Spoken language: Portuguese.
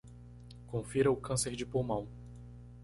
Confira o câncer de pulmão